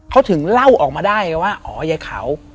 เขาถึงเล่าออกมาได้ไงว่าอ๋อยายขาว